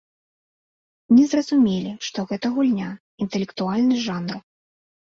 Не зразумелі, што гэта гульня, інтэлектуальны жанр.